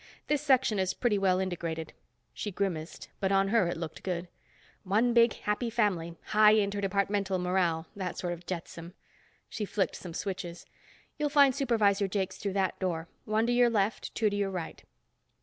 This Section is pretty well integrated." She grimaced, but on her it looked good. "One big happy family. High interdepartmental morale. That sort of jetsam." She flicked some switches. "You'll find Supervisor Jakes through that door, one to your left, two to your right."